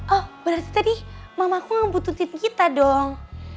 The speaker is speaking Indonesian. oh berarti tadi emak kamu ngebututin kita dong